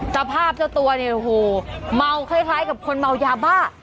เจ้าภาพเจ้าตัวเนี่ยโอ้โหเมาคล้ายกับคนเมายาบ้า